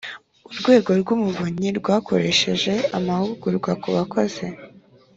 Urwego rw Umuvunyi rwakoresheje amahugurwa ku bakozi